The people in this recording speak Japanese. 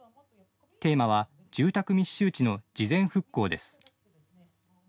テーマは住宅密集地の事前復興です。